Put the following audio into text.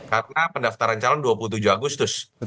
karena pendaftaran calon dua puluh tujuh agustus